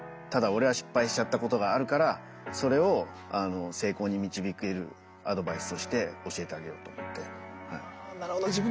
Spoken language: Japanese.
ただ俺は失敗しちゃったことがあるからそれを成功に導けるアドバイスをして教えてあげようと思ってはい。